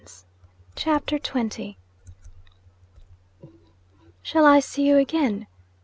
CHAPTER XX 'Shall I see you again?'